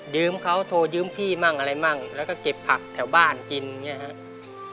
เขาโทรยืมพี่มั่งอะไรมั่งแล้วก็เก็บผักแถวบ้านกินอย่างนี้ครับ